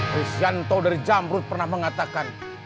rizvanto dari jamrud pernah mengatakan